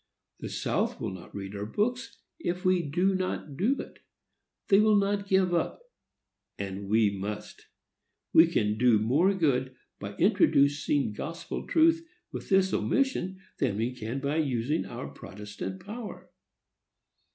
"The South will not read our books, if we do not do it. They will not give up, and we must. We can do more good by introducing gospel truth with this omission than we can by using our protestant power."